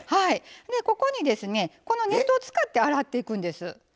ここにネットを使って洗っていくんです。